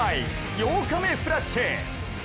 ８日目フラッシュ。